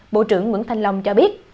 bộ trưởng mưỡng thanh long cho biết